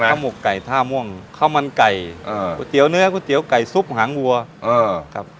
ข้าวหมกไก่ท่าม่วงข้าวมันไก่กุ้ยเตี๋วเนื้อกุ้ยเตี๋วไก่ซุปหางวัว